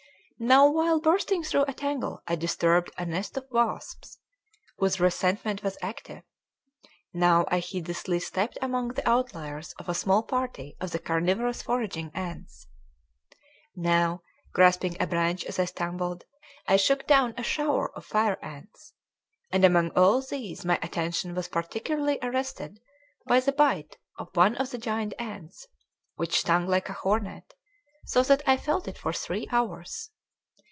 Now while bursting through a tangle I disturbed a nest of wasps, whose resentment was active; now I heedlessly stepped among the outliers of a small party of the carnivorous foraging ants; now, grasping a branch as I stumbled, I shook down a shower of fire ants; and among all these my attention was particularly arrested by the bite of one of the giant ants, which stung like a hornet, so that I felt it for three hours.